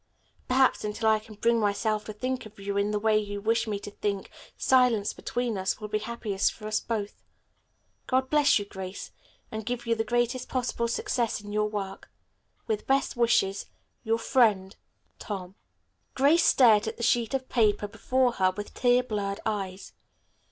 Perhaps, until I can bring myself to think of you in the way you wish me to think, silence between us will be happiest for us both. God bless you, Grace, and give you the greatest possible success in your work. With best wishes, "Your friend, "TOM." Grace stared at the sheet of paper before her, with tear blurred eyes.